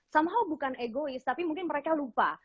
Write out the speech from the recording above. somehow bukan egois tapi mungkin mereka lupa